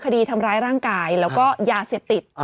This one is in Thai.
คดีทำร้ายร่างกายแล้วก็ยาเสพติด